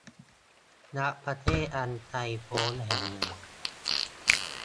ณ ประเทศอันไกลพ้นแห่งหนึ่ง